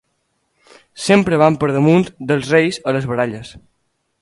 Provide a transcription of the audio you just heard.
Sempre van per damunt dels reis a les baralles.